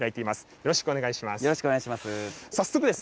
よろしくお願いします。